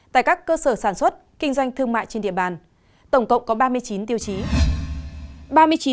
tại các cơ sở sản xuất kinh doanh thương mại trên địa bàn tổng cộng có ba mươi chín tiêu chí